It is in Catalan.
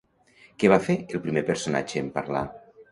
Què va fer el primer personatge en parlar?